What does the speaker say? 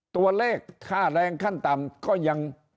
ตัวเลขค่าแรงขั้นต่ำก็ยัง